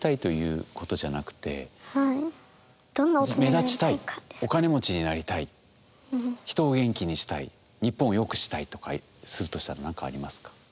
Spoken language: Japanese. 目立ちたいお金持ちになりたい人を元気にしたい日本をよくしたいとかするとしたら何かありますか？